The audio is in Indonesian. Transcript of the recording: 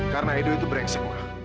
karena edo itu brengsek ma